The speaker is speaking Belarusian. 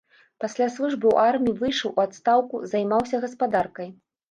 Пасля службы ў арміі выйшаў у адстаўку, займаўся гаспадаркай.